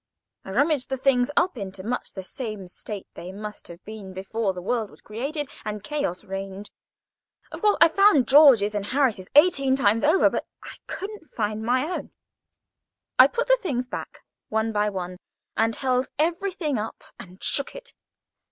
I rummaged the things up into much the same state that they must have been before the world was created, and when chaos reigned. Of course, I found George's and Harris's eighteen times over, but I couldn't find my own. I put the things back one by one, and held everything up and shook it.